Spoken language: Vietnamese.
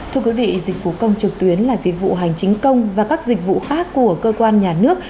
thưa quý vị dịch vụ công trực tuyến là dịch vụ hành chính công và các dịch vụ khác của cơ quan nhà nước